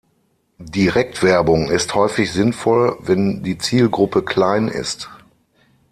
Direktwerbung ist häufig sinnvoll, wenn die Zielgruppe klein ist.